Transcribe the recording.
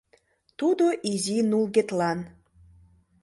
Тудо изи нулгетлан.